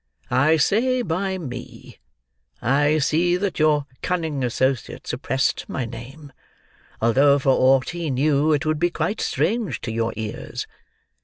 I say by me—I see that your cunning associate suppressed my name, although for aught he knew, it would be quite strange to your ears.